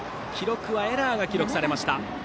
エラーが記録されました。